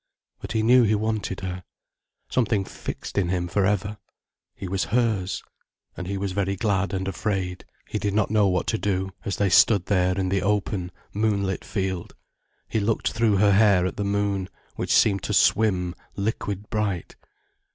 But he knew he wanted her. Something fixed in him for ever. He was hers. And he was very glad and afraid. He did not know what to do, as they stood there in the open, moonlit field. He looked through her hair at the moon, which seemed to swim liquid bright.